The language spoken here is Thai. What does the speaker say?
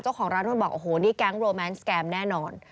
เจ้าของร้านนวลบอกโอ้โหนี่แก๊งโรแมนสแกมแน่นอน